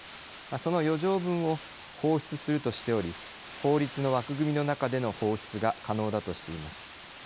その余剰分を放出するとしており法律の枠組みの中での放出が可能だとしています。